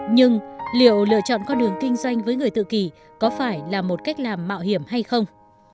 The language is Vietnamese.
nhưng liệu lựa chọn con đường kinh doanh với người tự kỷ có phải là một cách làm mạo hiểm hay không